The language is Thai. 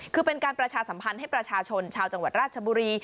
คือเป็นการประชาสัมพันธ์ให้ประชาชนชาวจังหวัดราชบุรี